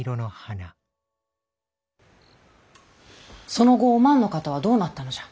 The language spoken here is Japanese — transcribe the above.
その後お万の方はどうなったのじゃ。